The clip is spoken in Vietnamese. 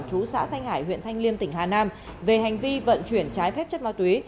chú xã thanh hải huyện thanh liêm tỉnh hà nam về hành vi vận chuyển trái phép chất ma túy